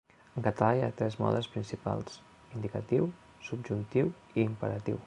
En català hi ha tres modes principals: indicatiu, subjuntiu i imperatiu.